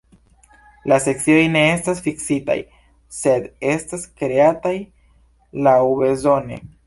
La Sekcioj ne estas fiksitaj, sed estas kreataj laŭbezone.